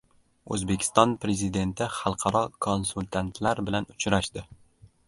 O‘zbekiston Prezidenti xalqaro konsultantlar bilan uchrashdi